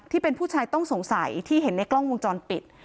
ที่เป็นผู้ชายต้องสงสัยที่เห็นในกล้องวงจรปิด